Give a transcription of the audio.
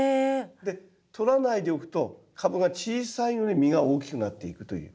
で取らないでおくと株が小さいうえ実が大きくなっていくという。